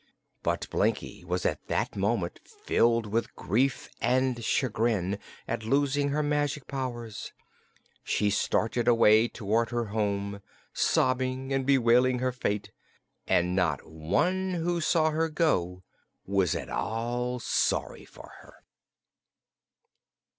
But Blinkie was at that moment filled with grief and chagrin at losing her magic powers. She started away toward her home, sobbing and bewailing her fate, and not one who saw her go was at all sorry for her.